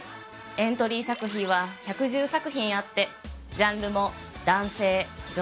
エントリー作品は１１０作品あってジャンルも。